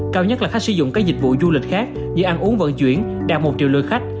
cao nhất là khách sử dụng các dịch vụ du lịch khác như ăn uống vận chuyển đạt một triệu lượt khách